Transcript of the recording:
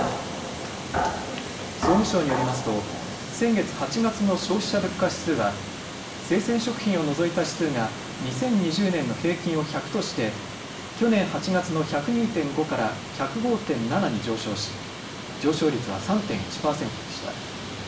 総務省によりますと先月８月の消費者物価指数は生鮮食品を除いた指数が２０２０年の平均を１００として去年８月の１０２．５から１０５．７に上昇し上昇率は３．１％でした。